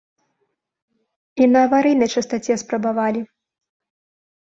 І на аварыйнай частаце спрабавалі.